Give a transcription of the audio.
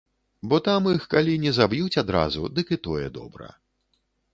Бо там іх калі не заб'юць адразу, дык і тое добра.